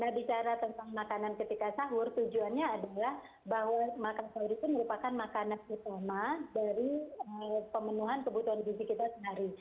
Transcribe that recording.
nah bicara tentang makanan ketika sahur tujuannya adalah bahwa makan sahur itu merupakan makanan utama dari pemenuhan kebutuhan gizi kita sehari